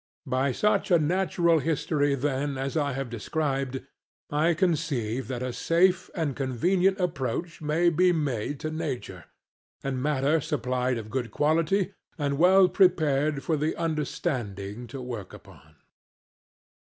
By such a natural history then as I have described, I conceive that a safe and convenient approach may be made to nature, and matter supplied of good quality and well prepared for the understanding to work upon.